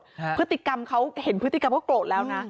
เห็นพฤติกรรมเขาก็โกรธแล้วนะ